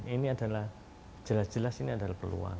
ini adalah jelas jelas ini adalah peluang